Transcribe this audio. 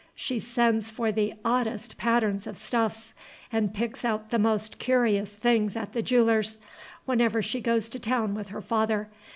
She sends for the oddest patterns of stuffs, and picks out the most curious things at the jeweller's, whenever she goes to town with her father.